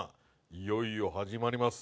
いよいよ始まります